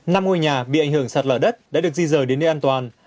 năm ngôi nhà bị ảnh hưởng sạt lở đất đã được di rời đến nơi an toàn